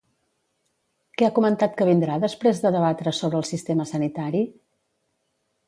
Què ha comentat que vindrà després de debatre sobre el sistema sanitari?